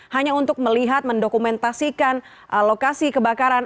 hanya untuk melihat mendokumentasikan lokasi kebakaran